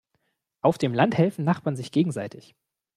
Auf dem Land helfen Nachbarn sich gegenseitig.